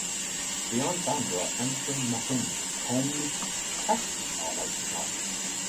Beyond Bandra, entering Mahim, only taxis are allowed to ply.